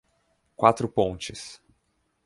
Quatro Pontes